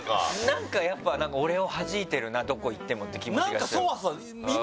なんかやっぱ俺をはじいてるなどこ行ってもって気持ちが。